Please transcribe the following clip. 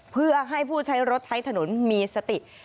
เพื่อให้ผู้ใช้รถใช้ถนนมีสติ